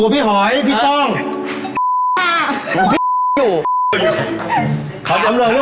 ขาย๑๓๙บาทแพงมากแพงเลย